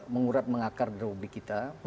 mengurat mengakar di publik kita